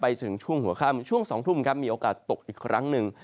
ถึงช่วงหัวค่ำช่วง๒ทุ่มครับมีโอกาสตกอีกครั้งหนึ่ง